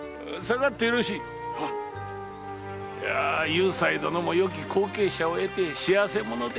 幽斎殿もよき後継者を得て幸せ者で。